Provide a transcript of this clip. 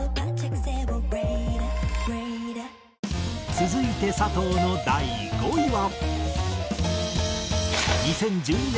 続いて佐藤の第５位は。